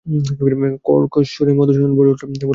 কর্কশস্বরে মধুসূদন বলে উঠল, কী!